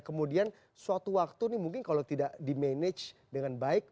kemudian suatu waktu ini mungkin kalau tidak dimanage dengan baik